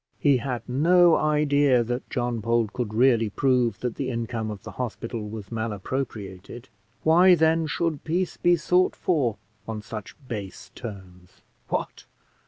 He had no idea that John Bold could really prove that the income of the hospital was malappropriated; why, then, should peace be sought for on such base terms? What!